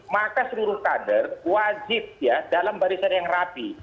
maka seluruh kader wajib ya dalam barisan yang rapi